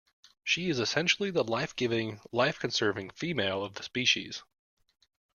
She is essentially the life-giving, life-conserving female of the species.